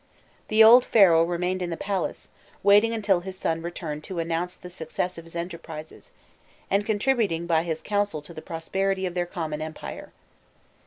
The old Pharaoh "remained in the palace," waiting until his son returned to announce the success of his enterprises, and contributing by his counsel to the prosperity of their common empire.